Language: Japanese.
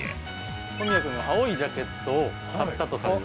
小宮君が青いジャケットを買ったとされる。